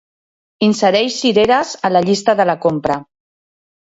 Insereix cireres a la llista de la compra.